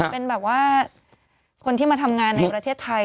เป็นแบบว่าคนที่มาทำงานในประเทศไทย